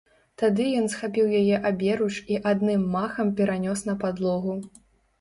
Тады ён схапіў яе аберуч і адным махам перанёс на падлогу.